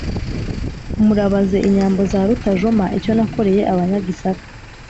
Murabaze inyambo za Rutajoma icyo nakoreye Abanyagisaka